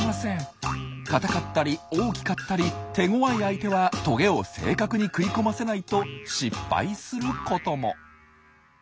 硬かったり大きかったり手ごわい相手はトゲを正確に食い込ませないと失敗することも。